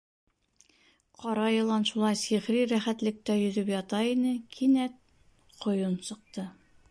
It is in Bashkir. Ҡара йылан шулай сихри рәхәтлектә йөҙөп ята ине, кинәт ҡойон сыҡты.